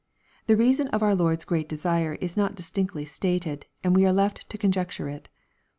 The reason of our Lord's great desire is not distinctly stated, and we are left to conjecture it.